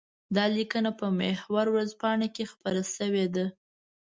دا ليکنه په محور ورځپاڼه کې خپره شوې ده.